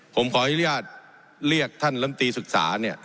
ผมขออนุญาตเรียกท่านลำตีศึกษาเนี่ย